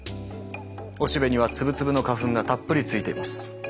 おしべには粒々の花粉がたっぷりついています。